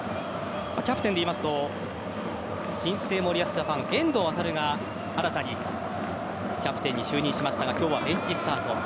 キャプテンでいうと新生森保ジャパン・遠藤航が新たにキャプテンに就任しましたが今日はベンチスタート。